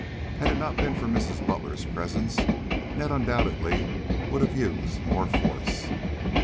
Had it not been for Mrs. Butler's presence Ned undoubtedly would have used more force.